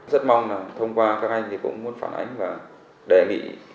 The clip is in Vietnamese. rất mong là thông qua các anh thì cũng muốn phản ánh và đề nghị